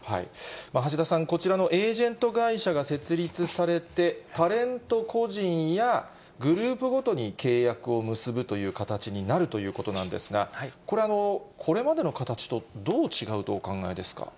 橋田さん、こちらのエージェント会社が設立されて、タレント個人やグループごとに契約を結ぶという形になるということなんですが、これはこれまでの形とどう違うとお考えですか。